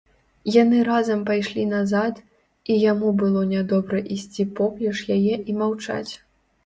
Яны разам пайшлі назад, і яму было нядобра ісці поплеч яе і маўчаць.